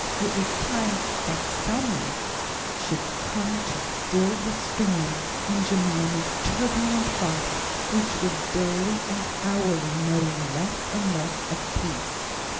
It was time that some one should come to still the storm in Jemima's turbulent heart, which was daily and hourly knowing less and less of peace.